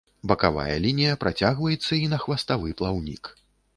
Бакавая лінія працягваецца і на хваставы плаўнік.